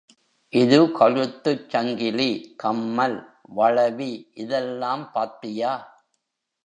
இது கழுத்துச் சங்கிலி, கம்மல், வளவி இதெல்லாம் பாத்தியா?